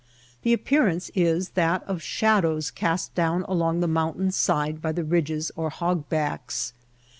The appearance is that of shadows cast down along the mountain's side by the ridges or hogbacks.